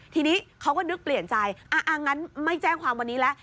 ทีนี้เขาก็นึกเปลี่ยนใจอ่างั้นไม่แจ้งความวันนี้แล้ว